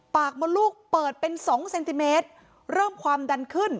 มดลูกเปิดเป็นสองเซนติเมตรเริ่มความดันขึ้น